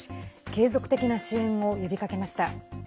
継続的な支援を呼びかけました。